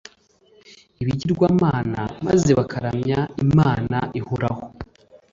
ibigirwamana maze bakaramya Imana ihoraho